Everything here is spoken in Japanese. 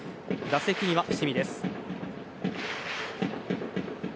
打席には伏見です。